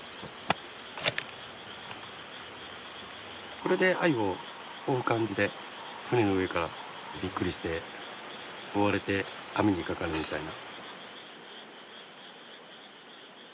これでアユを追う感じで船の上から。びっくりして追われて網にかかるみたいな。